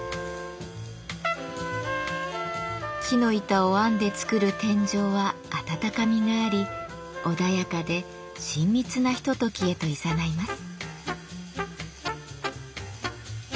木の板を編んで作る天井は温かみがあり穏やかで親密なひとときへといざないます。